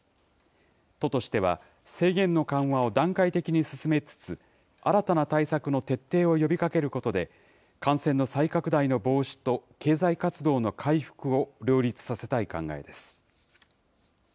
都としては、制限の緩和を段階的に進めつつ、新たな対策の徹底を呼びかけることで、感染の再拡大の防止と経済活動の回復を両立させたい考えです。